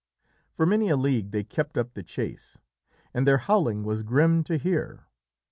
For many a league they kept up the chase, and their howling was grim to hear.